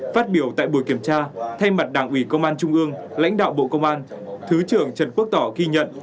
phát biểu tại buổi kiểm tra thay mặt đảng ủy công an trung ương lãnh đạo bộ công an thứ trưởng trần quốc tỏ ghi nhận